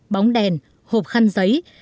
bóng đèn hộp khăn giấy